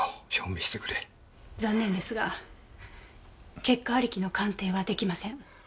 残念ですが結果ありきの鑑定は出来ません。